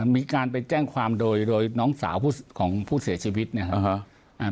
มีการไปแจ้งความโดยน้องสาวของผู้เสียชีวิตเนี่ย